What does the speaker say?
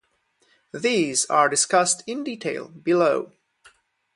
These are discussed in detail below.